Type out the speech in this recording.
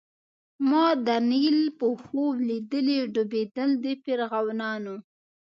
ما د نیل په خوب لیدلي ډوبېدل د فرعونانو